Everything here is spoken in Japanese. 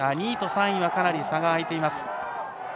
２位と３位はかなり差が開いています。